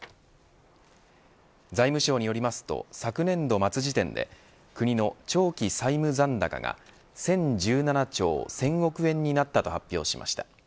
財務省によりますと昨年度末時点で国の長期債務残高が１０１７兆１０００億円になったと発表しました。